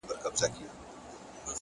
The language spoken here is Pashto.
د تمرکز دوام بریا تضمینوي